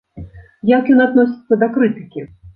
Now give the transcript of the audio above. Як ён адносіцца да крытыкі?